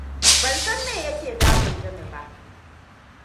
Ban san me ya ke damun Jami ba.